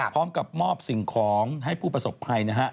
พร้อมกับมอบสิ่งของให้ผู้ประสบภัยนะฮะ